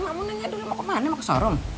emak mau nanya dulu mau ke mana mau ke showroom